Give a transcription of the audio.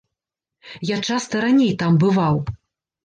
Я часта раней там бываў.